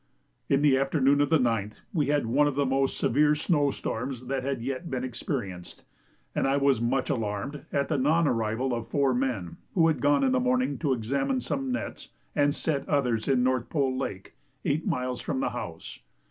In the afternoon of the 9th we had one of the most severe snow storms that had yet been experienced, and I was much alarmed at the non arrival of four men who had gone in the morning to examine some nets and set others in North Pole Lake eight miles from the house.